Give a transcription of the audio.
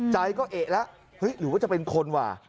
ใจก็เอ๊ะแล้วเฮ้ยหรือว่าจะเป็นคนว่ะ